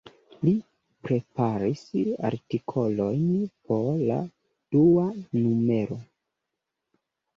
Li preparis artikolojn por la dua numero.